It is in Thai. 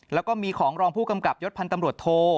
แล้วก็มีของรองผู้กำกับยศพันธ์ตำรวจโท